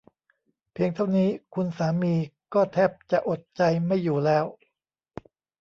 เพียงเท่านี้คุณสามีก็แทบจะอดใจไม่อยู่แล้ว